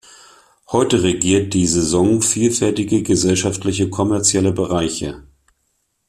Heute regiert die Saison vielfältige gesellschaftlich-kommerzielle Bereiche.